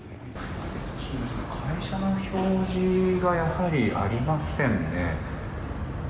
会社の表示がやはりありませんね。